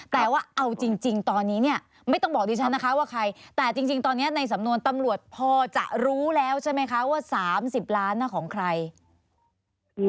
แต่ว่าเอาจริงตอนนี้เนี่ยไม่ต้องบอกดิฉันนะคะว่าใครแต่จริงตอนนี้ในสำนวนตำรวจพอจะรู้แล้วใช่ไหมคะว่า๓๐ล้านของใคร